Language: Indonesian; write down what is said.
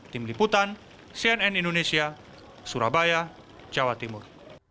tim liputan cnn indonesia surabaya jawa timur